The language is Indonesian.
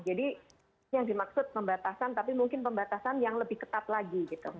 jadi ini yang dimaksud pembatasan tapi mungkin pembatasan yang lebih ketat lagi